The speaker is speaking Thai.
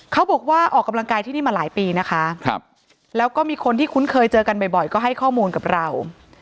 เขาบอกว่าออกกำลังกายที่นี่มาหลายปีนะคะแล้วก็มีคนที่คุ้นเคยเจอกันบ่อยก็ให้ข้อมูลกับเรา